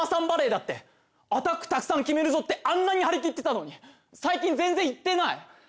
バレーだってアタックたくさん決めるぞってあんなに張り切ってたのに最近全然行ってない。